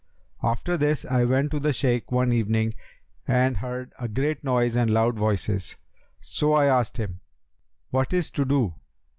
After this I went to the Shaykh one evening and heard a great noise and loud voices; so I asked him, 'What is to do?'